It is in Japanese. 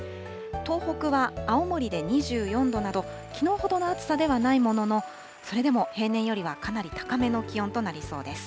東北は青森で２４度など、きのうほどの暑さではないものの、それでも平年よりはかなり高めの気温となりそうです。